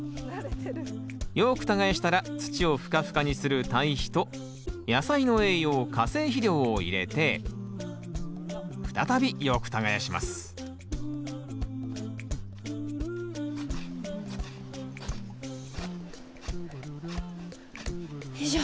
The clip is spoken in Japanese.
よく耕したら土をふかふかにする堆肥と野菜の栄養化成肥料を入れて再びよく耕しますよいしょ。